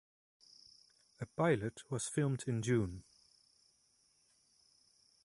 A pilot was filmed in June.